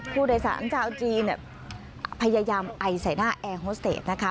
ผู้โดยสารชาวจีนพยายามไอใส่หน้าแอร์โฮสเตจนะคะ